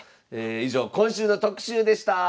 以上今週の特集でした。